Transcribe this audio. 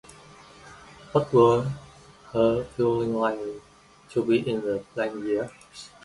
What were her feelings likely to be in the blank years?